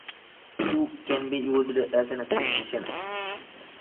"Quel" can be used as an exclamation.